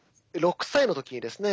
６歳の時にですね